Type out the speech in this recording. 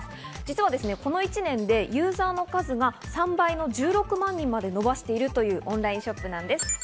実はこの１年でユーザーの数が３倍の１６万人まで伸ばしているというオンラインショップなんです。